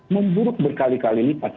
memburuk berkali kali lipat